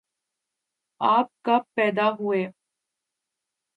آپ کب پیدا ہوئے